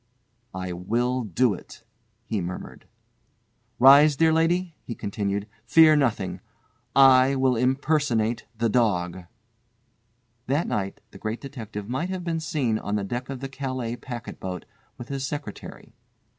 "I will do it," he murmured. "Rise dear lady," he continued. "Fear nothing. I WILL IMPERSONATE THE DOG_!!!_" That night the Great Detective might have been seen on the deck of the Calais packet boat with his secretary.